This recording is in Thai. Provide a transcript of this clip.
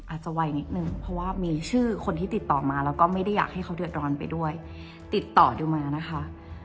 อาจจะไวนิดนึงเพราะว่ามีชื่อคนที่ติดต่อมาแล้วก็ไม่ได้อยากให้เขาเดือดร้อนไปด้วยติดต่อดูมานะคะ